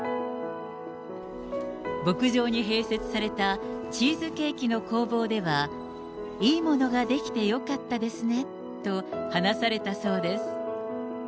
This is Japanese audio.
牧場に併設されたチーズケーキの工房では、いいものが出来てよかったですねと、話されたそうです。